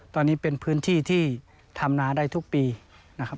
ตอนนี้เป็นพื้นที่ที่ทำนาได้ทุกปีนะครับ